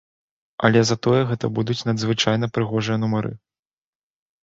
Але затое гэта будуць надзвычайна прыгожыя нумары.